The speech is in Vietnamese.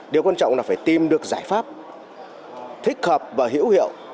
điều quan trọng là phải tìm được giải pháp thích hợp và hữu hiệu